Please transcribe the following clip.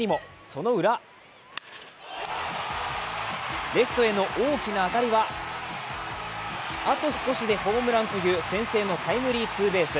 そのウラ、レフトへの大きな当たりは、あと少しでホームランという先制のタイムリーツーベース。